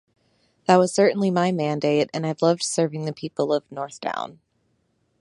That was certainly my mandate and I've loved serving the people of North Down.